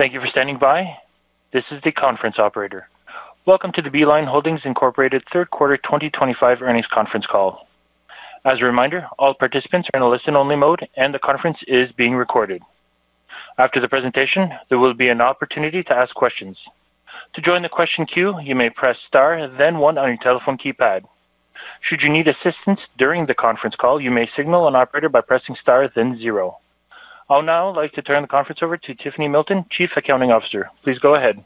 Thank you for standing by. This is the conference operator. Welcome to the Beeline Holdings third quarter 2025 earnings conference call. As a reminder, all participants are in a listen-only mode, and the conference is being recorded. After the presentation, there will be an opportunity to ask questions. To join the question queue, you may press star, then one on your telephone keypad. Should you need assistance during the conference call, you may signal an operator by pressing star, then zero. I'll now like to turn the conference over to Tiffany Milton, Chief Accounting Officer. Please go ahead.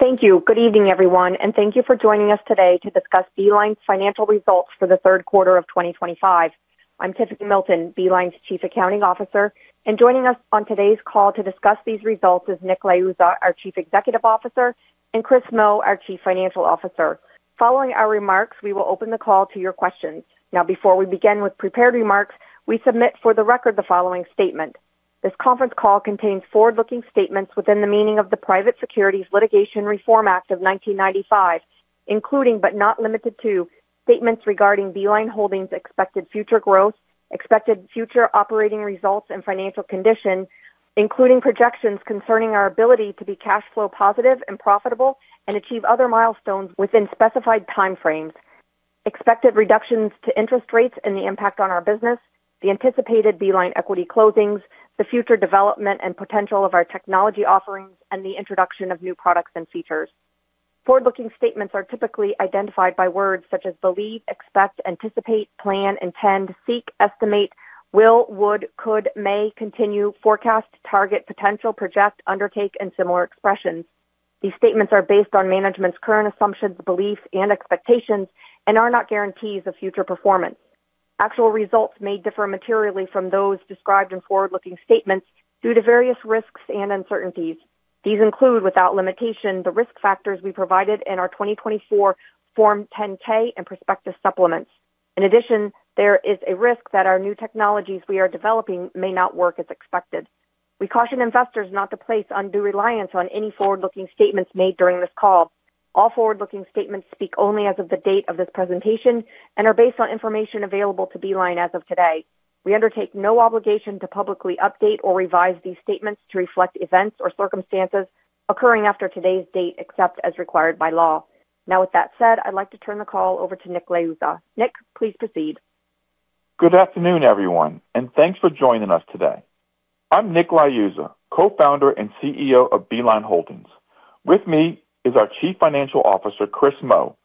Thank you. Good evening, everyone, and thank you for joining us today to discuss Beeline Holdings' financial results for the third quarter of 2025. I'm Tiffany Milton, Beeline Holdings' Chief Accounting Officer, and joining us on today's call to discuss these results is Nick Liuzza, our Chief Executive Officer, and Chris Moe, our Chief Financial Officer. Following our remarks, we will open the call to your questions. Now, before we begin with prepared remarks, we submit for the record the following statement: this conference call contains forward-looking statements within the meaning of the Private Securities Litigation Reform Act of 1995, including but not limited to statements regarding Beeline Holdings' expected future growth, expected future operating results, and financial condition, including projections concerning our ability to be cash flow positive and profitable and achieve other milestones within specified time frames, expected reductions to interest rates and the impact on our business, the anticipated Beeline Equity closings, the future development and potential of our technology offerings, and the introduction of new products and features. Forward-looking statements are typically identified by words such as believe, expect, anticipate, plan, intend, seek, estimate, will, would, could, may, continue, forecast, target, potential, project, undertake, and similar expressions. These statements are based on management's current assumptions, beliefs, and expectations and are not guarantees of future performance. Actual results may differ materially from those described in forward-looking statements due to various risks and uncertainties. These include, without limitation, the risk factors we provided in our 2024 Form 10-K and prospective supplements. In addition, there is a risk that our new technologies we are developing may not work as expected. We caution investors not to place undue reliance on any forward-looking statements made during this call. All forward-looking statements speak only as of the date of this presentation and are based on information available to Beeline Holdings as of today. We undertake no obligation to publicly update or revise these statements to reflect events or circumstances occurring after today's date, except as required by law. Now, with that said, I'd like to turn the call over to Nick Liuzza. Nick, please proceed. Good afternoon, everyone, and thanks for joining us today. I'm Nick Liuzza, co-founder and CEO of Beeline Holdings. With me is our Chief Financial Officer, Chris Moe.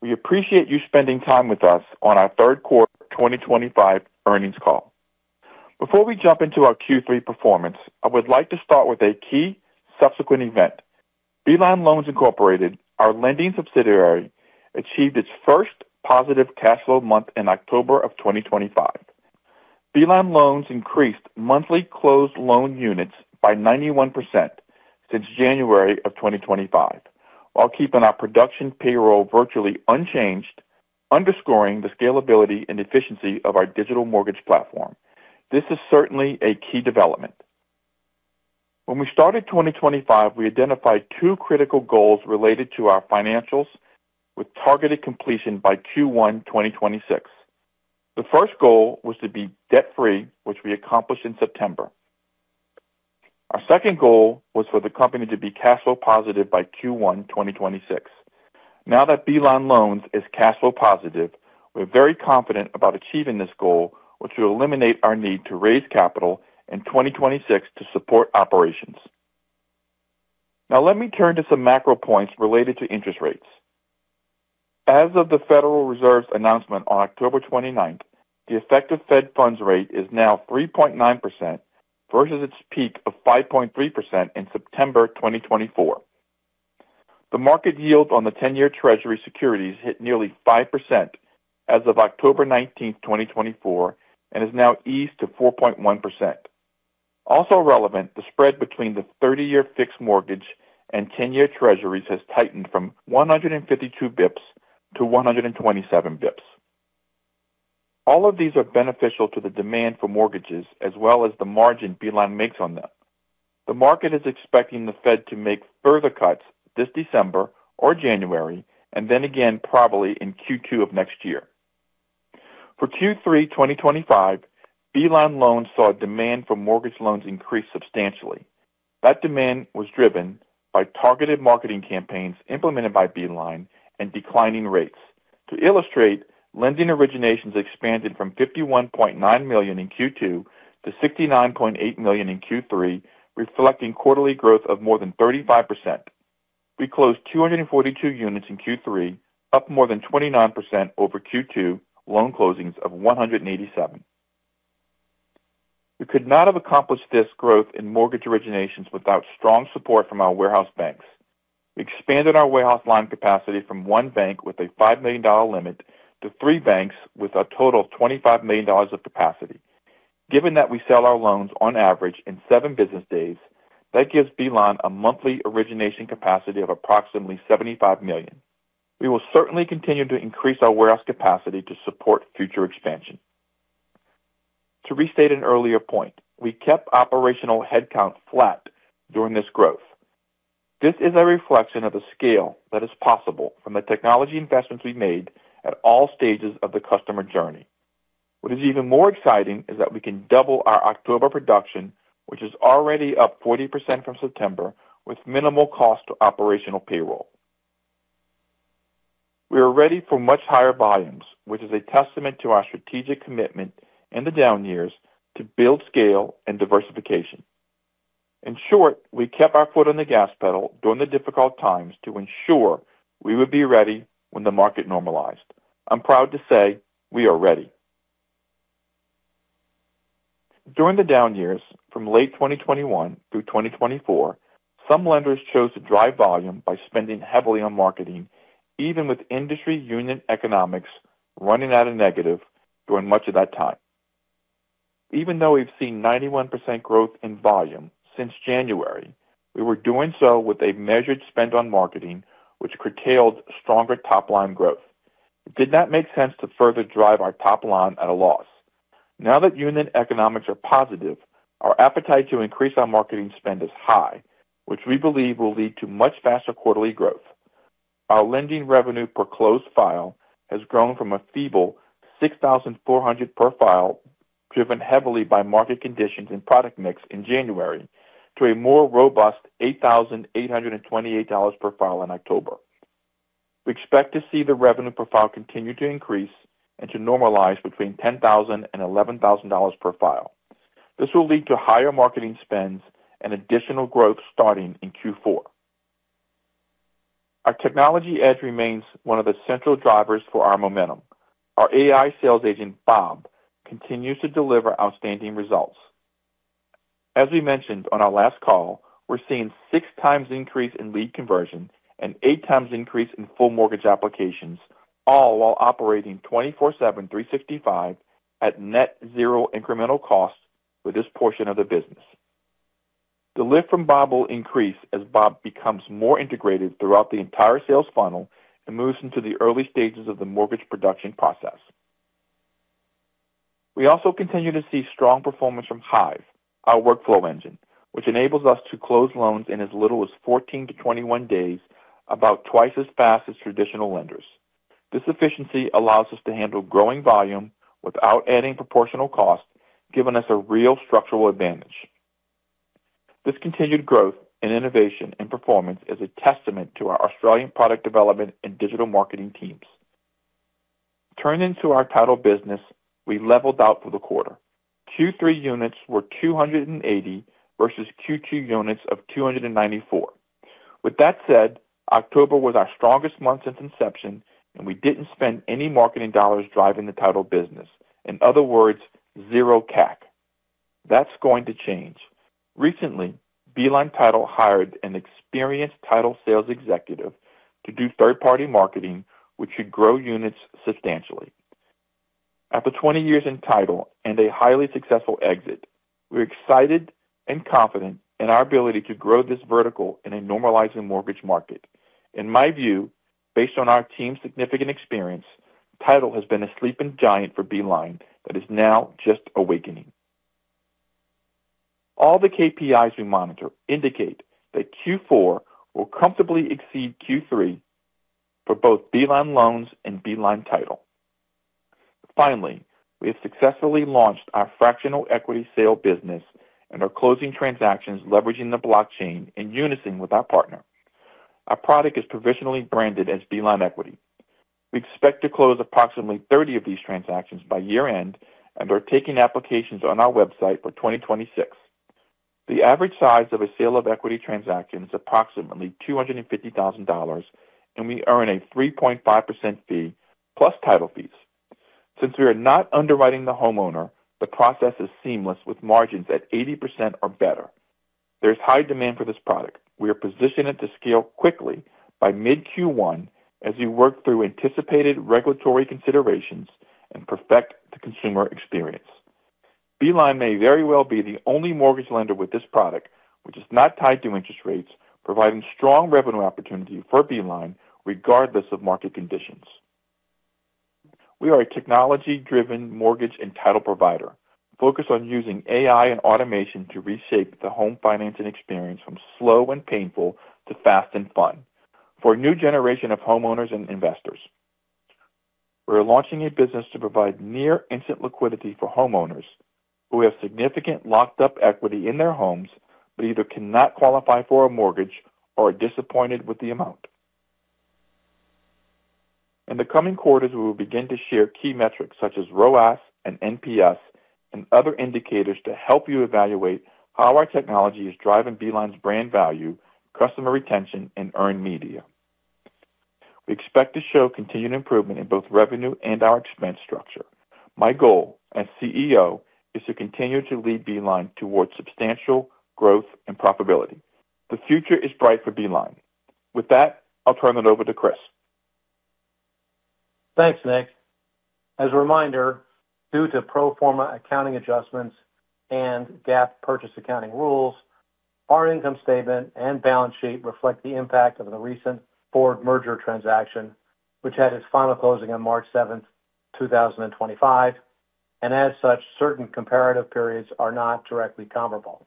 We appreciate you spending time with us on our third quarter 2025 earnings call. Before we jump into our Q3 performance, I would like to start with a key subsequent event. Beeline Loans Incorporated, our lending subsidiary, achieved its first positive cash flow month in October of 2025. Beeline Loans increased monthly closed loan units by 91% since January of 2025, while keeping our production payroll virtually unchanged, underscoring the scalability and efficiency of our digital mortgage platform. This is certainly a key development. When we started 2025, we identified two critical goals related to our financials, with targeted completion by Q1 2026. The first goal was to be debt-free, which we accomplished in September. Our second goal was for the company to be cash flow positive by Q1 2026. Now that Beeline Loans is cash flow positive, we're very confident about achieving this goal, which will eliminate our need to raise capital in 2026 to support operations. Now, let me turn to some macro points related to interest rates. As of the Federal Reserve's announcement on October 29, the effective Fed funds rate is now 3.9% versus its peak of 5.3% in September 2024. The market yield on the 10-year Treasury securities hit nearly 5% as of October 19, 2024, and is now eased to 4.1%. Also relevant, the spread between the 30-year fixed mortgage and 10-year Treasuries has tightened from 152 basis points to 127 basis points. All of these are beneficial to the demand for mortgages, as well as the margin Beeline makes on them. The market is expecting the Fed to make further cuts this December or January, and then again probably in Q2 of next year. For Q3 2025, Beeline Loans saw demand for mortgage loans increase substantially. That demand was driven by targeted marketing campaigns implemented by Beeline and declining rates. To illustrate, lending originations expanded from $51.9 million in Q2 to $69.8 million in Q3, reflecting quarterly growth of more than 35%. We closed 242 units in Q3, up more than 29% over Q2 loan closings of 187. We could not have accomplished this growth in mortgage originations without strong support from our warehouse banks. We expanded our warehouse line capacity from one bank with a $5 million limit to three banks with a total of $25 million of capacity. Given that we sell our loans on average in seven business days, that gives Beeline a monthly origination capacity of approximately $75 million. We will certainly continue to increase our warehouse capacity to support future expansion. To restate an earlier point, we kept operational headcount flat during this growth. This is a reflection of the scale that is possible from the technology investments we made at all stages of the customer journey. What is even more exciting is that we can double our October production, which is already up 40% from September, with minimal cost to operational payroll. We are ready for much higher volumes, which is a testament to our strategic commitment in the down years to build scale and diversification. In short, we kept our foot on the gas pedal during the difficult times to ensure we would be ready when the market normalized. I'm proud to say we are ready. During the down years, from late 2021 through 2024, some lenders chose to drive volume by spending heavily on marketing, even with industry unit economics running at a negative during much of that time. Even though we've seen 91% growth in volume since January, we were doing so with a measured spend on marketing, which curtailed stronger top-line growth. It did not make sense to further drive our top-line at a loss. Now that unit economics are positive, our appetite to increase our marketing spend is high, which we believe will lead to much faster quarterly growth. Our lending revenue per closed file has grown from a feeble $6,400 per file, driven heavily by market conditions and product mix in January, to a more robust $8,828 per file in October. We expect to see the revenue per file continue to increase and to normalize between $10,000 and $11,000 per file. This will lead to higher marketing spends and additional growth starting in Q4. Our technology edge remains one of the central drivers for our momentum. Our AI sales agent, Bob, continues to deliver outstanding results. As we mentioned on our last call, we're seeing six times increase in lead conversion and eight times increase in full mortgage applications, all while operating 24/7, 365 at net zero incremental cost with this portion of the business. The lift from Bob will increase as Bob becomes more integrated throughout the entire sales funnel and moves into the early stages of the mortgage production process. We also continue to see strong performance from Hive, our workflow engine, which enables us to close loans in as little as 14-21 days, about twice as fast as traditional lenders. This efficiency allows us to handle growing volume without adding proportional cost, giving us a real structural advantage. This continued growth in innovation and performance is a testament to our Australian product development and digital marketing teams. Turning to our title business, we leveled out for the quarter. Q3 units were 280 versus Q2 units of 294. With that said, October was our strongest month since inception, and we did not spend any marketing dollars driving the title business. In other words, zero CAC. That is going to change. Recently, Beeline Title hired an experienced title sales executive to do third-party marketing, which should grow units substantially. After 20 years in title and a highly successful exit, we're excited and confident in our ability to grow this vertical in a normalizing mortgage market. In my view, based on our team's significant experience, title has been a sleeping giant for Beeline that is now just awakening. All the KPIs we monitor indicate that Q4 will comfortably exceed Q3 for both Beeline Loans and Beeline Title. Finally, we have successfully launched our fractional equity sale business and are closing transactions leveraging the blockchain in unison with our partner. Our product is provisionally branded as Beeline Equity. We expect to close approximately 30 of these transactions by year-end and are taking applications on our website for 2026. The average size of a sale of equity transaction is approximately $250,000, and we earn a 3.5% fee plus title fees. Since we are not underwriting the homeowner, the process is seamless with margins at 80% or better. There's high demand for this product. We are positioned to scale quickly by mid-Q1 as we work through anticipated regulatory considerations and perfect the consumer experience. Beeline may very well be the only mortgage lender with this product, which is not tied to interest rates, providing strong revenue opportunity for Beeline regardless of market conditions. We are a technology-driven mortgage and title provider focused on using AI and automation to reshape the home financing experience from slow and painful to fast and fun for a new generation of homeowners and investors. We're launching a business to provide near-instant liquidity for homeowners who have significant locked-up equity in their homes but either cannot qualify for a mortgage or are disappointed with the amount. In the coming quarters, we will begin to share key metrics such as ROAS and NPS and other indicators to help you evaluate how our technology is driving Beeline's brand value, customer retention, and earned media. We expect to show continued improvement in both revenue and our expense structure. My goal as CEO is to continue to lead Beeline towards substantial growth and profitability. The future is bright for Beeline. With that, I'll turn it over to Chris. Thanks, Nick. As a reminder, due to pro forma accounting adjustments and GAAP purchase accounting rules, our income statement and balance sheet reflect the impact of the recent Ford merger transaction, which had its final closing on March 7, 2025, and as such, certain comparative periods are not directly comparable.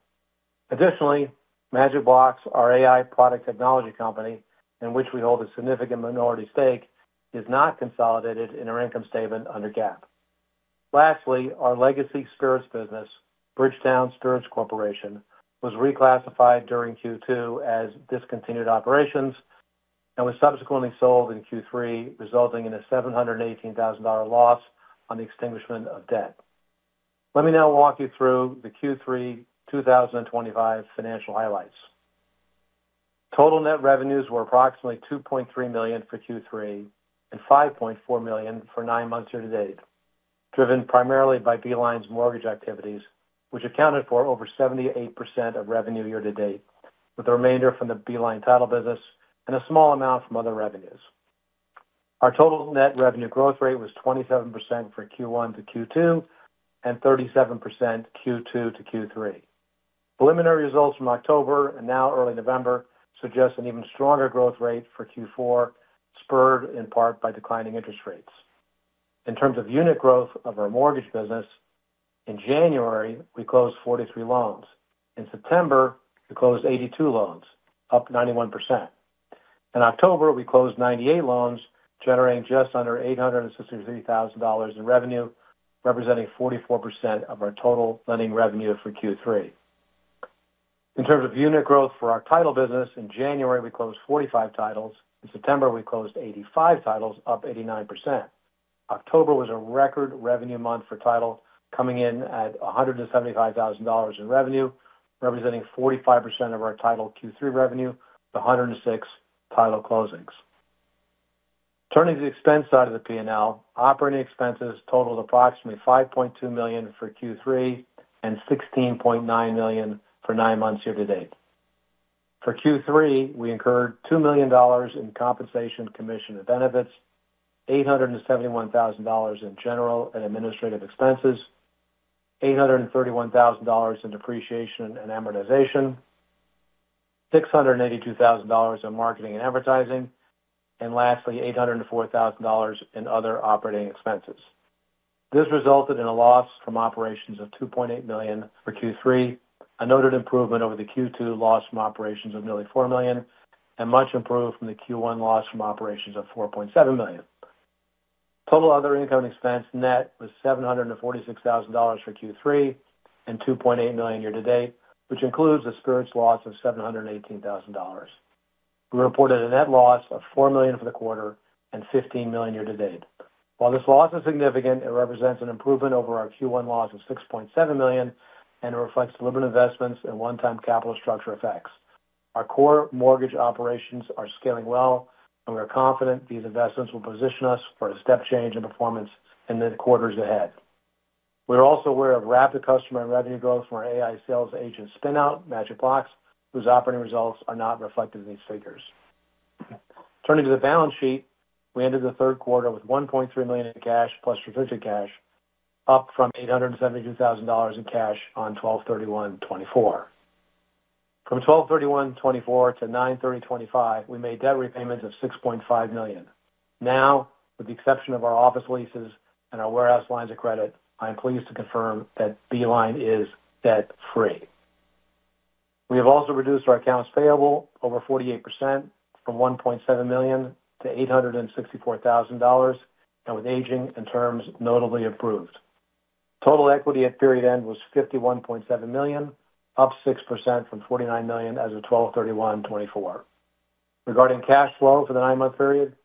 Additionally, Magic Blocks, our AI product technology company in which we hold a significant minority stake, is not consolidated in our income statement under GAAP. Lastly, our legacy spirits business, Bridgetown Spirits Corporation, was reclassified during Q2 as discontinued operations and was subsequently sold in Q3, resulting in a $718,000 loss on the extinguishment of debt. Let me now walk you through the Q3 2025 financial highlights. Total net revenues were approximately $2.3 million for Q3 and $5.4 million for nine months year-to-date, driven primarily by Beeline's mortgage activities, which accounted for over 78% of revenue year-to-date, with the remainder from the Beeline Title business and a small amount from other revenues. Our total net revenue growth rate was 27% for Q1 to Q2 and 37% Q2 to Q3. Preliminary results from October and now early November suggest an even stronger growth rate for Q4, spurred in part by declining interest rates. In terms of unit growth of our mortgage business, in January, we closed 43 loans. In September, we closed 82 loans, up 91%. In October, we closed 98 loans, generating just under $863,000 in revenue, representing 44% of our total lending revenue for Q3. In terms of unit growth for our title business, in January, we closed 45 titles. In September, we closed 85 titles, up 89%. October was a record revenue month for title, coming in at $175,000 in revenue, representing 45% of our title Q3 revenue, with 106 title closings. Turning to the expense side of the P&L, operating expenses totaled approximately $5.2 million for Q3 and $16.9 million for nine months year-to-date. For Q3, we incurred $2 million in compensation, commission, and benefits, $871,000 in general and administrative expenses, $831,000 in depreciation and amortization, $682,000 in marketing and advertising, and lastly, $804,000 in other operating expenses. This resulted in a loss from operations of $2.8 million for Q3, a noted improvement over the Q2 loss from operations of nearly $4 million, and much improved from the Q1 loss from operations of $4.7 million. Total other income and expense net was $746,000 for Q3 and $2.8 million year-to-date, which includes the spirits loss of $718,000. We reported a net loss of $4 million for the quarter and $15 million year-to-date. While this loss is significant, it represents an improvement over our Q1 loss of $6.7 million and reflects deliberate investments and one-time capital structure effects. Our core mortgage operations are scaling well, and we are confident these investments will position us for a step change in performance in the quarters ahead. We are also aware of rapid customer and revenue growth from our AI sales agent spinout, Magic Blocks, whose operating results are not reflected in these figures. Turning to the balance sheet, we ended the third quarter with $1.3 million in cash plus restricted cash, up from $872,000 in cash on December 31, 2024. From December 31, 2024 to September 30, 2025, we made debt repayments of $6.5 million. Now, with the exception of our office leases and our warehouse lines of credit, I am pleased to confirm that Beeline is debt-free. We have also reduced our accounts payable over 48% from $1.7 million to $864,000, and with aging and terms notably improved. Total equity at period end was $51.7 million, up 6% from $49 million as of 12/31/2024. Regarding cash flow for the nine-month period,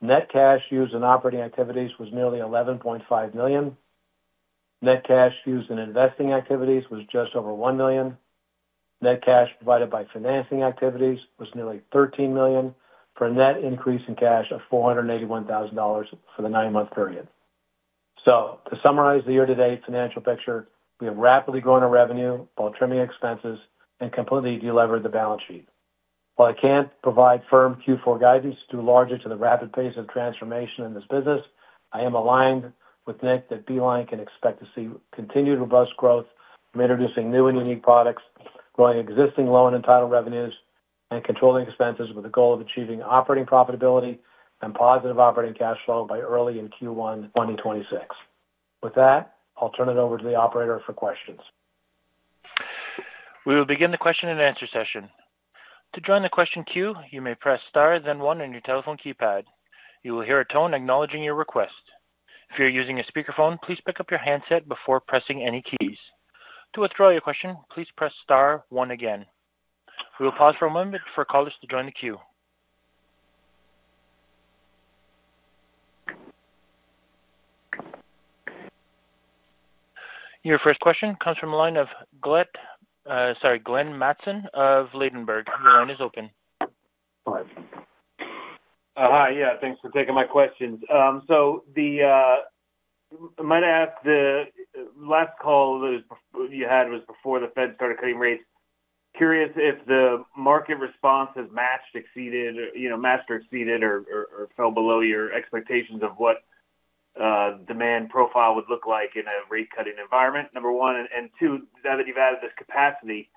net cash used in operating activities was nearly $11.5 million. Net cash used in investing activities was just over $1 million. Net cash provided by financing activities was nearly $13 million for a net increase in cash of $481,000 for the nine-month period. To summarize the year-to-date financial picture, we have rapidly grown our revenue, while trimming expenses and completely deleveraged the balance sheet. While I can't provide firm Q4 guidance due largely to the rapid pace of transformation in this business, I am aligned with Nick that Beeline can expect to see continued robust growth from introducing new and unique products, growing existing loan and title revenues, and controlling expenses with the goal of achieving operating profitability and positive operating cash flow by early in Q1 2026. With that, I'll turn it over to the operator for questions. We will begin the question and answer session. To join the question queue, you may press star then one on your telephone keypad. You will hear a tone acknowledging your request. If you're using a speakerphone, please pick up your handset before pressing any keys. To withdraw your question, please press star one again. We will pause for a moment for callers to join the queue. Your first question comes from a line of Glenn Mattson of Ladenburg. Your line is open. Hi. Yeah. Thanks for taking my questions. Might I ask, the last call you had was before the Fed started cutting rates? Curious if the market response has matched, exceeded, or fell below your expectations of what demand profile would look like in a rate-cutting environment, number one. Two, now that you've added this capacity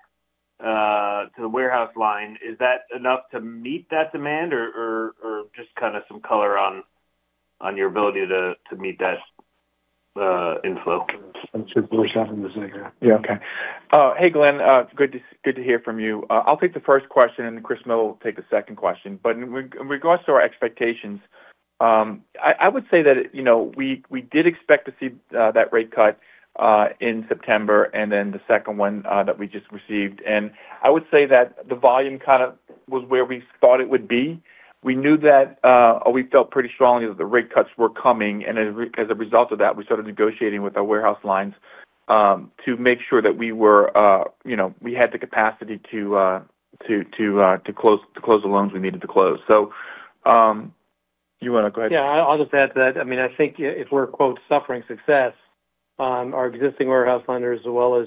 to the warehouse line, is that enough to meet that demand or just kind of some color on your ability to meet that inflow? I'm sorry, what was that in a second? Yeah, okay. Hey, Glenn, good to hear from you. I'll take the first question, and then Chris Moe will take the second question. In regards to our expectations, I would say that we did expect to see that rate cut in September and then the second one that we just received. I would say that the volume kind of was where we thought it would be. We knew that we felt pretty strongly that the rate cuts were coming. As a result of that, we started negotiating with our warehouse lines to make sure that we had the capacity to close the loans we needed to close. You want to go ahead. Yeah, I'll just add to that. I mean, I think if we're "suffering success," our existing warehouse lenders, as well as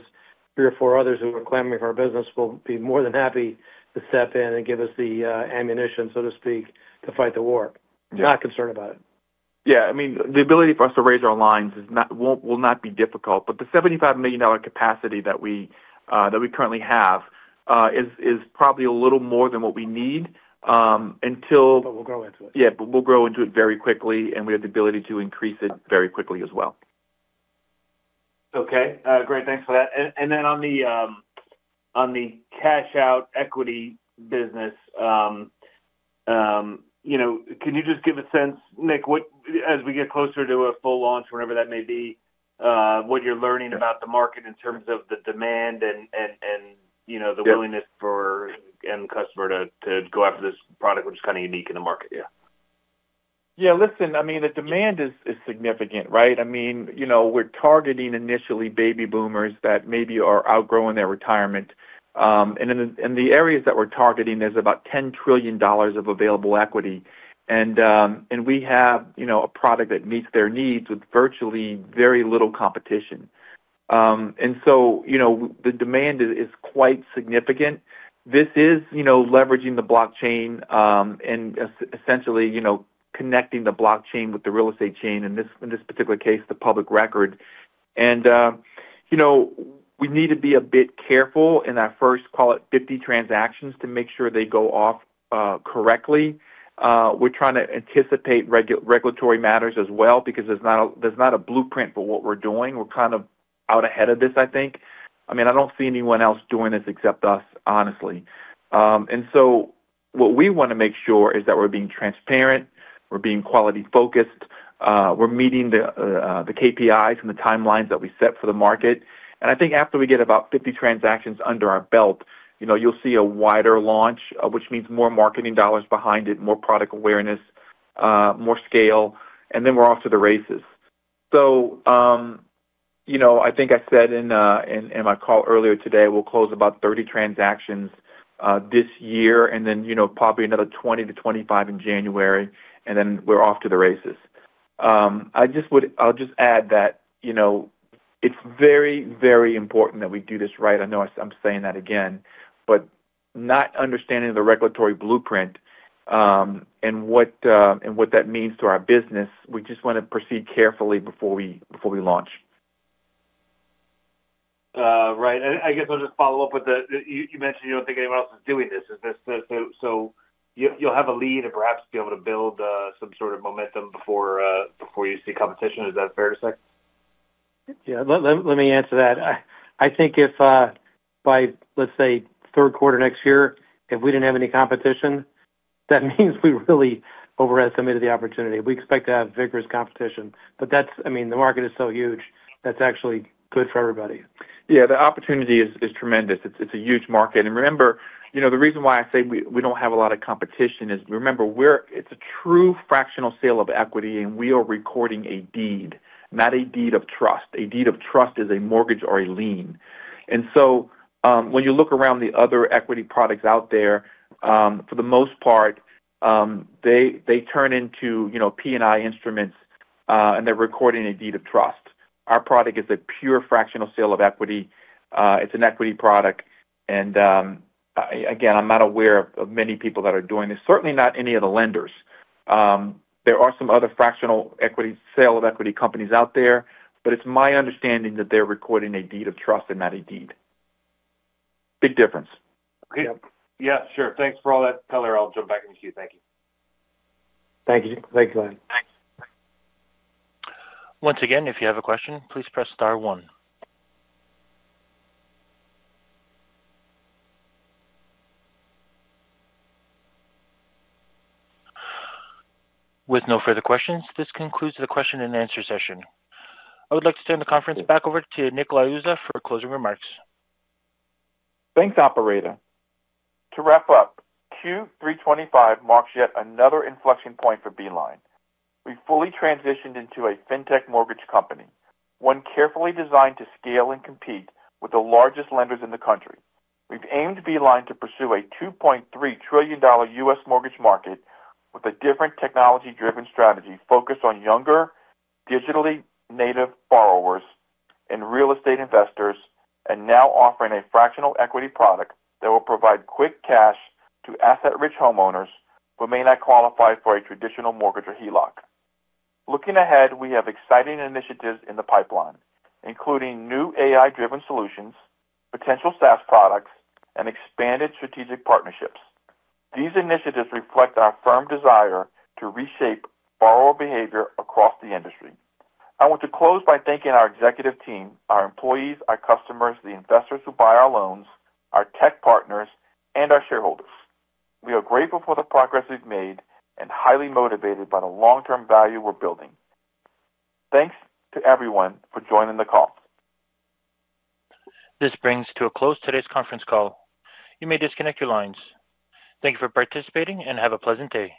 three or four others who are clamoring for our business, will be more than happy to step in and give us the ammunition, so to speak, to fight the war. Not concerned about it. Yeah. I mean, the ability for us to raise our lines will not be difficult. But the $75 million capacity that we currently have is probably a little more than what we need until. We'll grow into it. Yeah, but we'll grow into it very quickly, and we have the ability to increase it very quickly as well. Okay. Great. Thanks for that. On the cash-out equity business, can you just give a sense, Nick, as we get closer to a full launch or whenever that may be, what you're learning about the market in terms of the demand and the willingness for end customer to go after this product, which is kind of unique in the market? Yeah. Yeah. Listen, I mean, the demand is significant, right? I mean, we're targeting initially baby boomers that maybe are outgrowing their retirement. In the areas that we're targeting, there's about $10 trillion of available equity. We have a product that meets their needs with virtually very little competition. The demand is quite significant. This is leveraging the blockchain and essentially connecting the blockchain with the real estate chain and, in this particular case, the public record. We need to be a bit careful in our first, call it, 50 transactions to make sure they go off correctly. We're trying to anticipate regulatory matters as well because there's not a blueprint for what we're doing. We're kind of out ahead of this, I think. I mean, I don't see anyone else doing this except us, honestly. What we want to make sure is that we're being transparent, we're being quality-focused, we're meeting the KPIs and the timelines that we set for the market. I think after we get about 50 transactions under our belt, you'll see a wider launch, which means more marketing dollars behind it, more product awareness, more scale, and then we're off to the races. I think I said in my call earlier today, we'll close about 30 transactions this year and then probably another 20-25 in January, and then we're off to the races. I'll just add that it's very, very important that we do this right. I know I'm saying that again, but not understanding the regulatory blueprint and what that means to our business, we just want to proceed carefully before we launch. Right. I guess I'll just follow up with that. You mentioned you don't think anyone else is doing this. You'll have a lead and perhaps be able to build some sort of momentum before you see competition. Is that fair to say? Yeah. Let me answer that. I think if by, let's say, third quarter next year, if we didn't have any competition, that means we really overestimated the opportunity. We expect to have vigorous competition. I mean, the market is so huge, that's actually good for everybody. Yeah. The opportunity is tremendous. It's a huge market. Remember, the reason why I say we don't have a lot of competition is, remember, it's a true fractional sale of equity, and we are recording a deed, not a deed of trust. A deed of trust is a mortgage or a lien. When you look around the other equity products out there, for the most part, they turn into P&I instruments, and they're recording a deed of trust. Our product is a pure fractional sale of equity. It's an equity product. Again, I'm not aware of many people that are doing this, certainly not any of the lenders. There are some other fractional equity sale of equity companies out there, but it's my understanding that they're recording a deed of trust and not a deed. Big difference. Okay. Yeah. Sure. Thanks for all that color. I'll jump back in the queue. Thank you. Thank you. Thank you, Glenn. Thanks. Once again, if you have a question, please press star one. With no further questions, this concludes the question and answer session. I would like to turn the conference back over to Nick Liuzza for closing remarks. Thanks, operator. To wrap up, Q3 2025 marks yet another inflection point for Beeline. We have fully transitioned into a fintech mortgage company, one carefully designed to scale and compete with the largest lenders in the country. We have aimed Beeline to pursue a $2.3 trillion U.S. mortgage market with a different technology-driven strategy focused on younger digitally native borrowers and real estate investors, and now offering a fractional equity product that will provide quick cash to asset-rich homeowners who may not qualify for a traditional mortgage or HELOC. Looking ahead, we have exciting initiatives in the pipeline, including new AI-driven solutions, potential SaaS products, and expanded strategic partnerships. These initiatives reflect our firm desire to reshape borrower behavior across the industry. I want to close by thanking our executive team, our employees, our customers, the investors who buy our loans, our tech partners, and our shareholders. We are grateful for the progress we've made and highly motivated by the long-term value we're building. Thanks to everyone for joining the call. This brings to a close today's conference call. You may disconnect your lines. Thank you for participating and have a pleasant day.